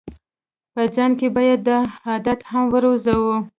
په ځان کې باید دا عادت هم وروزو.